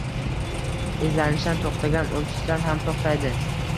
Izlanishdan to‘xtagan o‘sishdan ham to‘xtaydi.